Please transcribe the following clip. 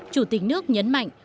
chủ tịch nước nhấn mạnh